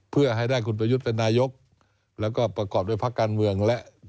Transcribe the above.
เพื่อให้ได้คุณประยุทธ์เป็นนายกแล้วก็ประกอบด้วยพักการเมืองและ